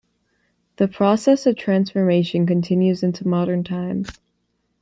The process of transformation continues into modern times.